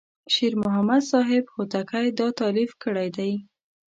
شیر محمد صاحب هوتکی دا تألیف کړی دی.